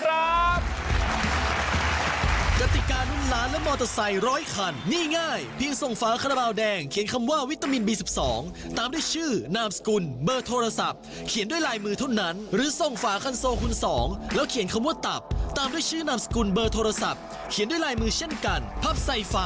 อาจแต่ถ้าอยากจะเป็นคนที่ใช่และจะเป็นเจ้าของรถมอเตอร์ไซค์